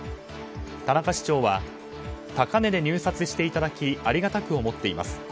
田中市長は高値で入札していただきありがたく思っています。